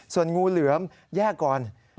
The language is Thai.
ส่วนงูเหลือมแยกก่อน